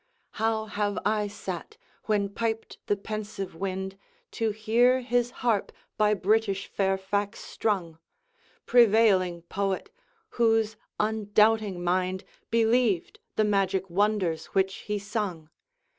How have I sat, when piped the pensive wind, To hear his harp, by British Fairfax strung, Prevailing poet, whose undoubting mind Believed the magic wonders which he sung!